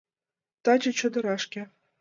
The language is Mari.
Таче чодырашке.